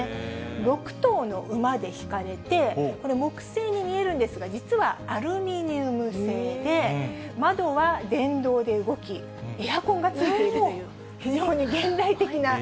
６頭の馬で引かれて、これ、木製に見えるんですが、実はアルミニウム製で、窓は電動で動き、エアコンが付いているという非常に現代的な馬車で。